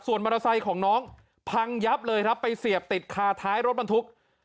มอเตอร์ไซค์ของน้องพังยับเลยครับไปเสียบติดคาท้ายรถบรรทุก